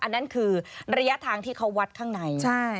อันนั้นคือระยะทางที่เขาวัดข้างใน